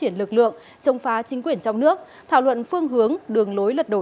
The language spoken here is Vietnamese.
tôn nữ thể trang đã tham gia lật đổ chính quyền nhân dân thảo luận phương hướng đường lối lật đổ